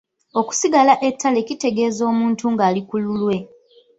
Okusigala ettale kitegeeza omuntu ng'ali ku lulwe.